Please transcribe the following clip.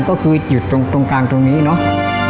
ก็คืออยู่ตรงกลางตรงนี้เนาะ